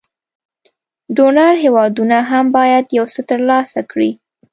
ډونر هېوادونه هم باید یو څه تر لاسه کړي.